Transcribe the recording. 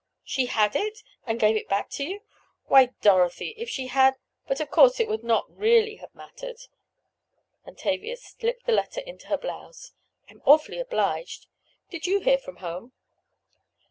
"She had it? And gave it back to you? Why, Dorothy, if she had—but of course it would not really have mattered," and Tavia slipped the letter into her blouse. "I'm awfully obliged. Did you hear from home?"